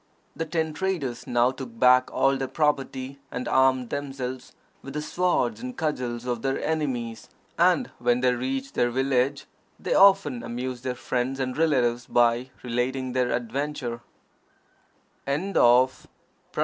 The ten traders now took back all their property, and armed themselves with the swords and cudgels of their enemies; and when they reached their village, they often amused their friends and relatives by relating their adventure.